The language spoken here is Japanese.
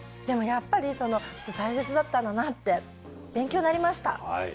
でもやっぱり大切だったんだなって勉強になりました。